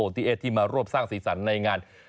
ที่มารวบสร้างสีสันในงาน